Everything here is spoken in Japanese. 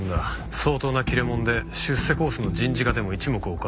相当な切れ者で出世コースの人事課でも一目置かれる存在。